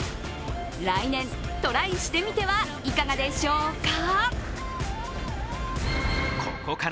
来年、トライしてみてはいかがでしょうか？